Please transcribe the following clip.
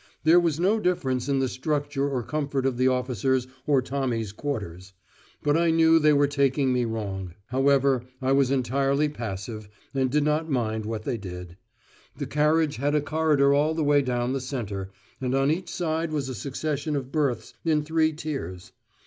There was no difference in the structure or comfort of the officers' or Tommies' quarters; but I knew they were taking me wrong. However, I was entirely passive, and did not mind what they did. The carriage had a corridor all the way down the centre, and on each side was a succession of berths in three tiers.